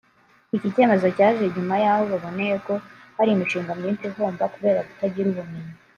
Iki cyemezo cyaje nyuma y’aho baboneye ko hari imishinga myinshi ihomba kubera kutagira ubumenyi